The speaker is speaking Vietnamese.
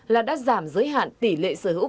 là đã giảm giới hạn tỷ lệ sở hữu